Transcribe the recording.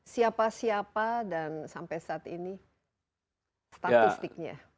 siapa siapa dan sampai saat ini statistiknya